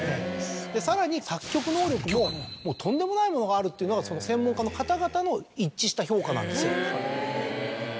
さらに作曲能力もとんでもないものがあるというのが専門家の方々の一致した評価なんですよ。